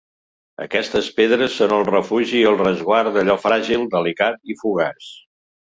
Aquestes pedres són el refugi i el resguard d’allò fràgil, delicat i fugaç.